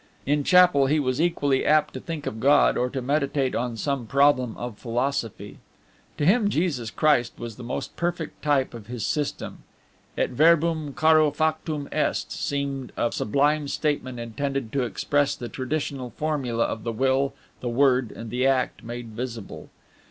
In chapel he was equally apt to think of God or to meditate on some problem of philosophy. To him Jesus Christ was the most perfect type of his system. Et Verbum caro factum est seemed a sublime statement intended to express the traditional formula of the Will, the Word, and the Act made visible.